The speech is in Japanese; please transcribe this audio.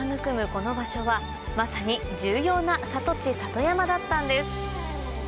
この場所はまさに重要な里地里山だったんです